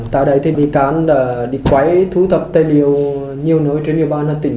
tại đây sbtn đi quay thu thập tài liệu nhiều nơi trên địa bàn hà tĩnh